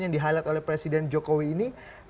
yang di highlight oleh presiden jokowi ini